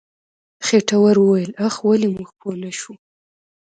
خېټور وويل اخ ولې موږ پوه نه شو.